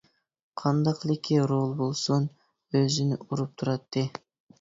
قانداقلىكى رول بولسۇن ئۆزىنى ئۇرۇپ تۇراتتى.